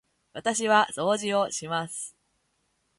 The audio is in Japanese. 私は掃除をします。